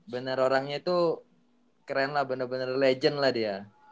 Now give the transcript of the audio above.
bener orangnya tuh keren lah bener bener legend lah dia